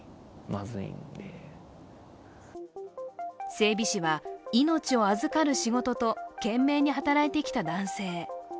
整備士は命を預かる仕事と懸命に働いてきた男性。